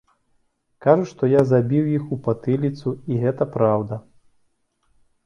Кажуць, што я забіў іх у патыліцу, і гэта праўда.